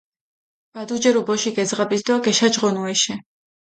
ვადუჯერუ ბოშიქ ე ძღაბის დო გეშაჯღონუ ეშე.